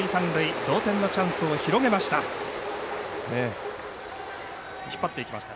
同点のチャンスを広げました。